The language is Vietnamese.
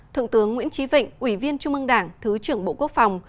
thượng tướng nguyễn trí vịnh ủy viên trung ương đảng thứ trưởng bộ quốc phòng